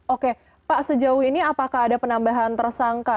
oke pak sejauh ini apakah ada penambahan tersangka